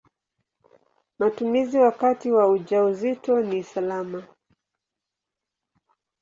Matumizi wakati wa ujauzito ni salama.